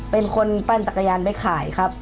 เป็นคนปั้นจักรยานไปขายครับ